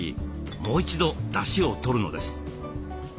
もう一度だしをとるのです。